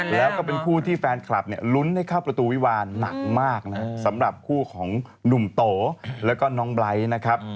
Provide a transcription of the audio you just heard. แล้วก็เป็นคู่ที่แฟนคลับเนี่ยลุ้นให้เข้าประตูวิวาลหนักมากนะครับสำหรับคู่ของหนุ่มโตแล้วก็น้องไบร์ทนะครับ